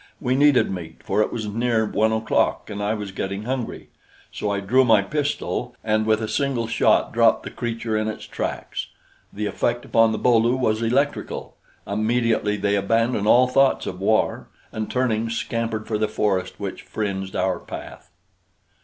We needed meat, for it was near one o'clock and I was getting hungry; so I drew my pistol and with a single shot dropped the creature in its tracks. The effect upon the Bo lu was electrical. Immediately they abandoned all thoughts of war, and turning, scampered for the forest which fringed our path.